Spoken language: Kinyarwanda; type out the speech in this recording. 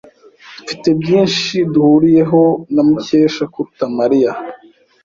Mfite byinshi duhuriyeho na Mukesha kuruta Mariya.